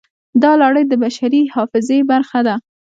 دا لړۍ د بشري حافظې برخه ده.